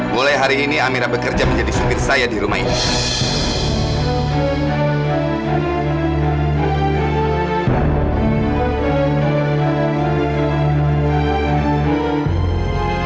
mulai hari ini amira bekerja menjadi supir saya di rumah ini